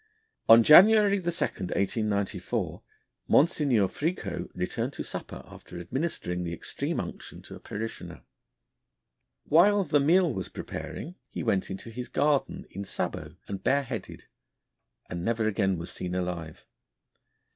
On January 2, 1894, M. Fricot returned to supper after administering the extreme unction to a parishioner. While the meal was preparing, he went into his garden in sabots and bareheaded, and never again was seen alive.